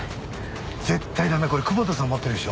これ久保田さん持ってるでしょ。